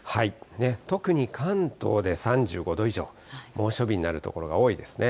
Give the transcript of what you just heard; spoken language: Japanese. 特に関東で３５度以上、猛暑日になる所が多いですね。